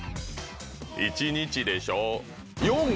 １日でしょ？